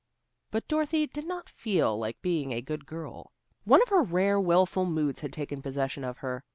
But Dorothy did not feel like being a good girl. One of her rare wilful moods had taken possession of her.